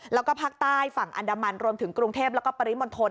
แล้วก็ภาคใต้ฝั่งอันดามันรวมถึงกรุงเทพแล้วก็ปริมณฑล